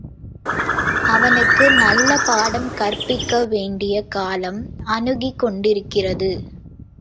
அவனுக்கு நல்ல பாடம் கற்பிக்க வேண்டிய காலம் அணுகிக் கொண்டிருக்கிறது.